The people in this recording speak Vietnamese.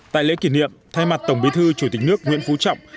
tại lễ kỷ niệm thay mặt tổng bí thư chủ tịch nước nguyễn phú trọng